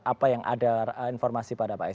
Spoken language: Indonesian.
apa yang ada informasi pada pak sb